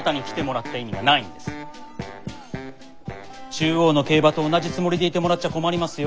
中央の競馬と同じつもりでいてもらっちゃ困りますよ。